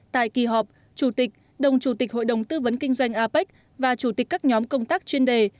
tại kỳ họp chủ tịch đồng chủ tịch hội đồng tư vấn kinh doanh apec và chủ tịch các nhóm công tác chuyên đề